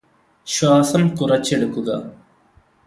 ശ്വാസം കുറച്ചെടുക്കുക